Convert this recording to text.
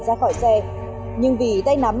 ra khỏi xe nhưng vì tay nắm